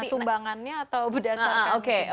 subangannya atau berdasarkan